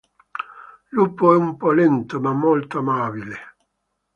Lupo è un po' lento, ma molto amabile.